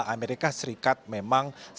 amerika serikat memang menanggung investasi